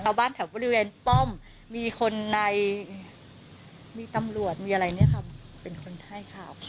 แถวบ้านแถวบริเวณป้อมมีคนในมีตำรวจมีอะไรเนี่ยค่ะเป็นคนให้ข่าว